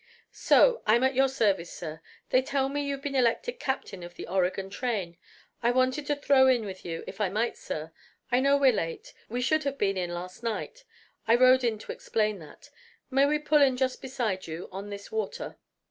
"So I'm at your service, sir. They tell me you've been elected captain of the Oregon train. I wanted to throw in with you if I might, sir. I know we're late we should have been in last night. I rode in to explain that. May we pull in just beside you, on this water?"